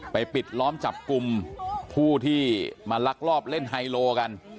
ปิดล้อมจับกลุ่มผู้ที่มาลักลอบเล่นไฮโลกัน